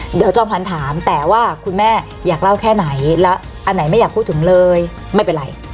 เดี๋ยวจอมขวัญถามแต่ว่าคุณแม่อยากเล่าแค่ไหนแล้วอันไหนไม่อยากพูดถึงเลยไม่เป็นไร